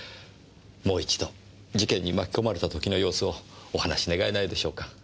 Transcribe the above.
もう一度事件に巻き込まれた時の様子をお話し願えないでしょうか？